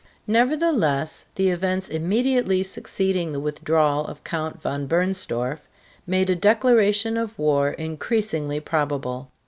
Nevertheless the events immediately succeeding the withdrawal of Count von Bernstorff made a declaration of war increasingly probable.